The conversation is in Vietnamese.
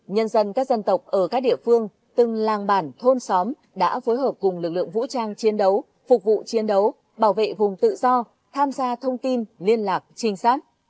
nhân dân các dân tộc ở các địa phương từng làng bản thôn xóm đã phối hợp cùng lực lượng vũ trang chiến đấu phục vụ chiến đấu bảo vệ vùng tự do tham gia thông tin liên lạc trinh sát